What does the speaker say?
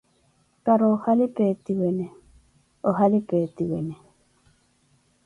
Para ohali peetiwene, ohali peetiwene!